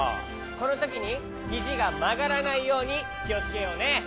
このときにひじがまがらないようにきをつけようね。